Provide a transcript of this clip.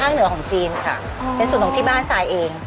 เป็นส่วนของที่บ้านซายเอง